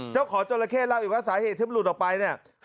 เจ้าของจราเข้เล่าอีกว่าสาเหตุที่มันหลุดออกไปเนี่ย